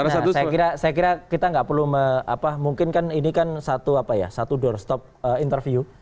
saya kira kita nggak perlu mungkin kan ini kan satu doorstop interview